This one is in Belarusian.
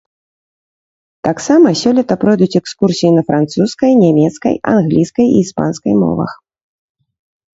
Таксама сёлета пройдуць экскурсіі на французскай, нямецкай, англійскай і іспанскай мовах.